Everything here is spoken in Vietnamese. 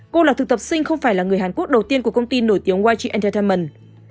cô là thực tập sinh không phải là người hàn quốc đầu tiên của công ty nổi tiếng waji anteltamen